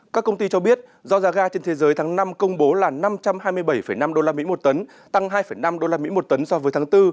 các công ty cho biết do giá ga trên thế giới tháng năm công bố là năm trăm hai mươi bảy năm usd một tấn tăng hai năm usd một tấn so với tháng bốn